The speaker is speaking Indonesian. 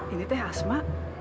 ini teh asma